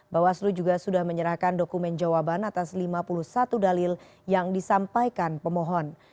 bawaslu juga sudah menyerahkan dokumen jawaban atas lima puluh satu dalil yang disampaikan pemohon